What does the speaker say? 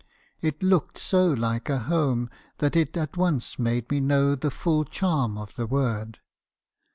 It looked so like a home , that it at once made me know the full charm of the word.